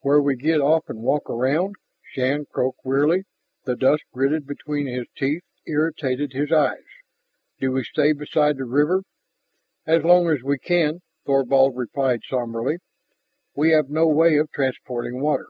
"Where we get off and walk around," Shann croaked wearily. The dust gritted between his teeth, irritated his eyes. "Do we stay beside the river?" "As long as we can," Thorvald replied somberly. "We have no way of transporting water."